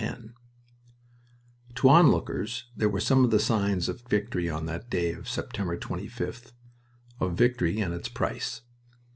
X To onlookers there were some of the signs of victory on that day of September 25th of victory and its price.